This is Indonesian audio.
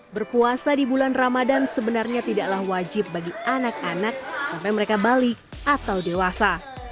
berpuasa di bulan ramadan sebenarnya tidaklah wajib bagi anak anak sampai mereka balik atau dewasa